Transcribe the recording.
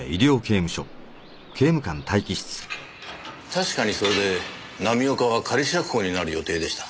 確かにそれで浪岡は仮釈放になる予定でした。